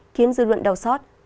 khiến dư luận đau sót